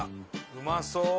うまそう。